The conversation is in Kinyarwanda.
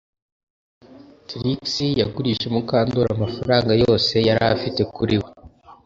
Trix yagurije Mukandoli amafaranga yose yari afite kuri we